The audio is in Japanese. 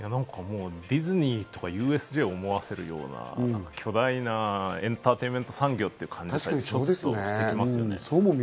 ディズニーとかＵＳＪを思わせるような巨大なエンターテインメント産業という感じがしますね。